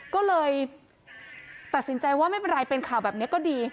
ก็เลยตัดสินใจว่าไม่เป็นไรเป็นข่าวแบบนี้ก็ดี